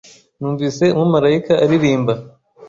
Numvise Umumarayika aririmba